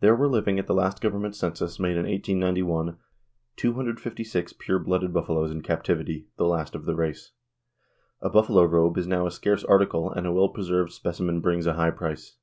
There were living at the last government census, made in 1891, 256 pure blooded buffaloes in captivity, the last of the race. A buffalo robe is now a scarce article and a well preserved specimen brings a high price.